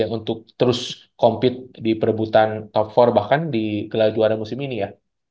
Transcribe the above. rans ya untuk terus compete di perebutan top empat bahkan di kelajuara musim ini ya